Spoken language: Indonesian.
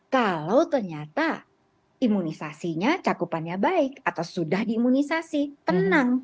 kalau ternyata imunisasinya cakupannya baik atau sudah diimunisasi tenang